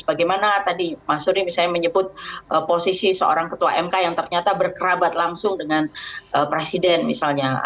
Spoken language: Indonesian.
bagaimana tadi mas suri misalnya menyebut posisi seorang ketua mk yang ternyata berkerabat langsung dengan presiden misalnya